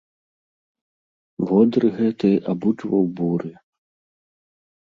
Водыр гэты абуджваў буры.